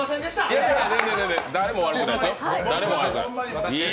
いやいや、誰も悪くない。